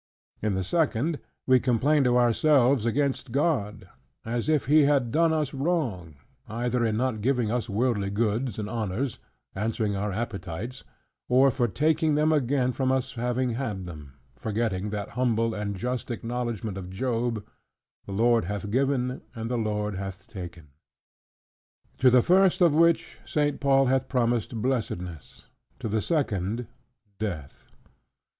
In the second we complain to ourselves against God: as if he had done us wrong, either in not giving us worldly goods and honors, answering our appetites: or for taking them again from us having had them; forgetting that humble and just acknowledgment of Job, "the Lord hath given, and the Lord hath taken." To the first of which St. Paul hath promised blessedness; to the second, death.